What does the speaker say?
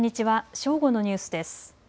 正午のニュースです。